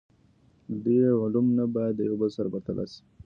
د دوی علوم نه باید د یو بل سره پرتله سي.